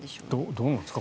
どうなんですか？